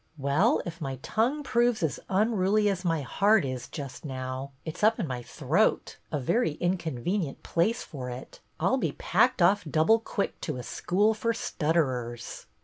" Well, if my tongue proves as unruly as my heart is just now — it 's up in my throat — a very inconvenient place for it — I 'll be packed off double quick to a school for stutterers."